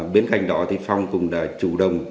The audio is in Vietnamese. bên cạnh đó phòng cũng đã chủ động